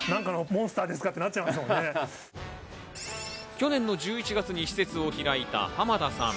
去年の１１月に施設を開いた濱田さん。